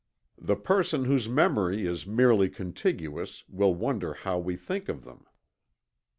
The person whose memory is merely contiguous will wonder how we think of them."